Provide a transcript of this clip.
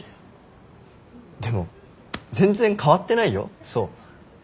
でも全然変わってないよ想。